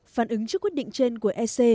phản ứng trước quyết định trên của ec